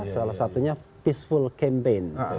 salah satunya peaceful campaign